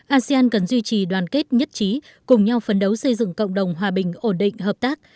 asean cần duy trì đoàn kết nhất trí cùng nhau phấn đấu xây dựng cộng đồng hòa bình ổn định hợp tác